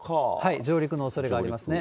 上陸のおそれがありますね。